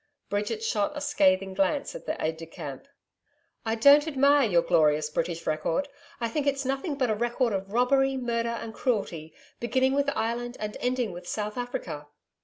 Bridget shot a scathing glance at the aide de camp. 'I don't admire your glorious British record, I think it's nothing but a record of robbery, murder, and cruelty, beginning with Ireland and ending with South Africa.'